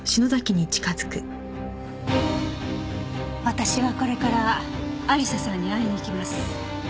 私はこれから亜理紗さんに会いに行きます。